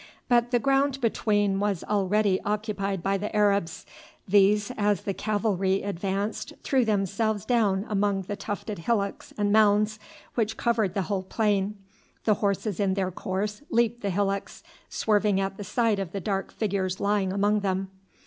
But the ground between was already occupied by the Arabs; these as the cavalry advanced threw themselves down among the tufted hillocks and mounds which covered the whole plain. The horses in their course leaped the hillocks, swerving at the sight of the dark figures lying among them.